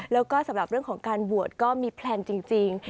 แล้วก็สำหรับเรื่องของการบวชก็มีแพลนจริง